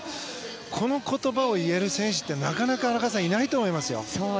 この言葉を言える選手ってなかなかいないと思いますよ。